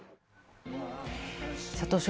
佐藤翔